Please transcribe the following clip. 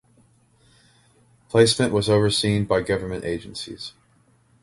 Placement was overseen by government agencies.